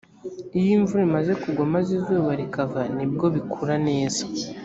iyo imvura imaze kugwa maze izuba rikava ni bwo bikura neza